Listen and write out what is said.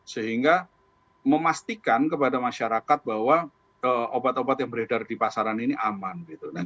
sehingga memastikan kepada masyarakat bahwa obat obat yang beredar di pasaran ini aman